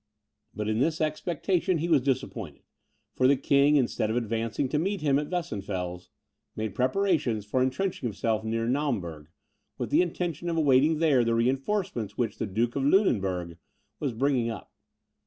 But in this expectation he was disappointed; for the king, instead of advancing to meet him at Weissenfels, made preparations for entrenching himself near Naumburg, with the intention of awaiting there the reinforcements which the Duke of Lunenburg was bringing up.